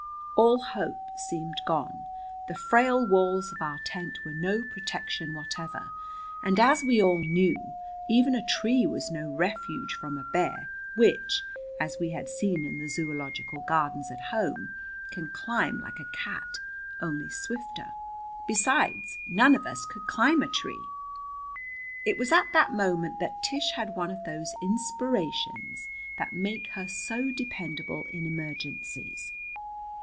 All hope seemed gone. The frail walls of our tent were no protection whatever, and as we all knew, even a tree was no refuge from a bear, which, as we had seen in the Zoological Garden at home, can climb like a cat, only swifter. Besides, none of us could climb a tree. It was at that moment that Tish had one of those inspirations that make her so dependable in emergencies.